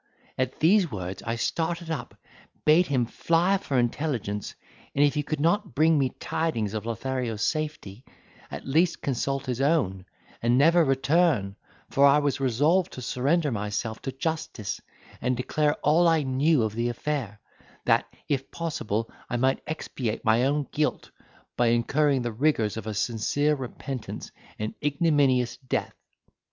At these words I started up, bade him fly for intelligence, and if he could not bring me tidings of Lothario's safety, at least consult his own, and never return; for I was resolved to surrender myself to justice, and declare all I knew of the affair, that, if possible I might expiate my own guilt, by incurring the rigours of a sincere repentance and ignominious death.